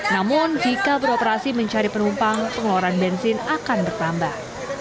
namun jika beroperasi mencari penumpang pengeluaran bensin akan bertambah